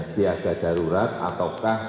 siaga darurat ataukah